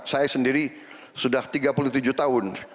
saya sendiri sudah tiga puluh tujuh tahun